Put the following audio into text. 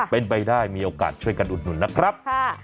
เป็นไปได้มีโอกาสช่วยกันอุดหนุนนะครับ